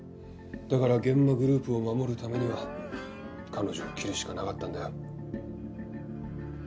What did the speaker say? だから諫間グループを守るためには彼女を切るしかなかったんだよ。